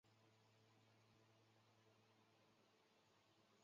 颁奖礼有另设最佳女主角及最佳动作片女主角。